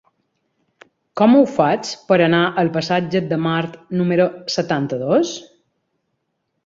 Com ho faig per anar al passatge de Mart número setanta-dos?